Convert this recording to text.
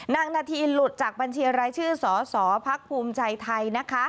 นางนาธิหลุดจากบัญชีอะไรชื่อสสพภูมิใจไทยนะคะ